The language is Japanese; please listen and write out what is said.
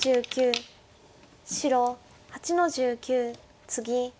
白８の十九ツギ。